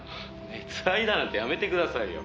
「熱愛だなんてやめてくださいよ」